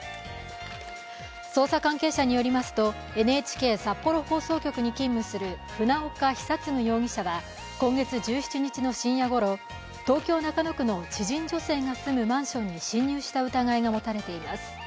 捜査関係者によりますとＮＨＫ札幌放送局に勤務する船岡久嗣容疑者は今月１７日の深夜ごろ、東京・中野区の知人女性が住むマンションに侵入した疑いが持たれています。